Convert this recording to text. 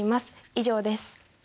以上です。